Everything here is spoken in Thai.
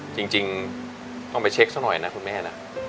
จริงต้องไปเช็คซะหน่อยนะคุณแม่นะ